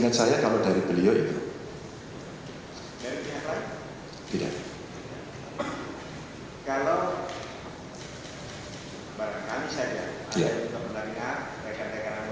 kita bertawaran sama